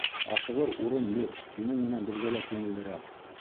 Ашығыр урын юҡ, һинең менән беҙгә лә күңеллерәк.